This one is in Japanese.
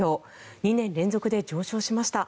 ２年連続で上昇しました。